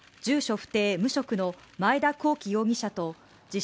不定・無職の前田広樹容疑者と自称